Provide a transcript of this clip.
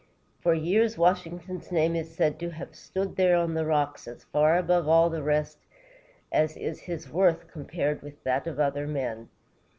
For years, Washington's name is said to have stood there on the rocks, as far above all the rest as is his worth compared with that of other men.